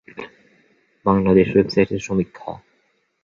বাংলাদেশ ওয়েবসাইটের সমীক্ষা